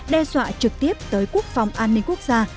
đe dọa trực tiếp tới quốc phòng an ninh quốc gia